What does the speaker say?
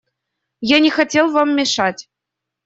Я не хотел вам мешать.